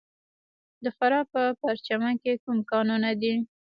د فراه په پرچمن کې کوم کانونه دي؟